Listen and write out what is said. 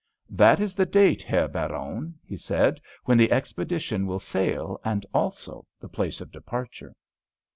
"That is the date, Herr Baron," he said, "when the expedition will sail, and also the place of departure."